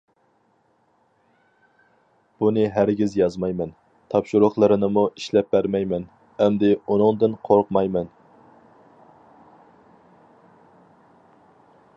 بۇنى ھەرگىز يازمايمەن، تاپشۇرۇقلىرىنىمۇ ئىشلەپ بەرمەيمەن، ئەمدى ئۇنىڭدىن قورقمايمەن.